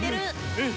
うん。